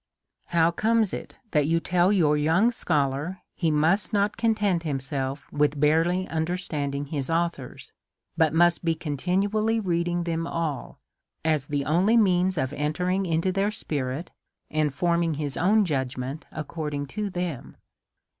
How comes it that you tell your young scholar he must not content himself with barely understanding his authors, but must be continually reading them all, as the only means of entering into their spirit^ and forming his own judgment according to them?